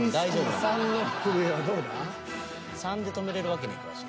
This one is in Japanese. ［３で止めれるわけワシ］